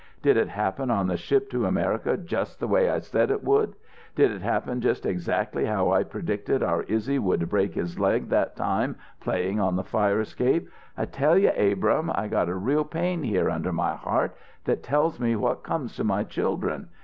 Did it happen on the ship to America just the way I said it would? Did it happen just exactly how I predicted our Izzy would break his leg that time playing on the fire escape? I tell you, Abrahm, I get a real pain here under my heart that tells me what comes to my children.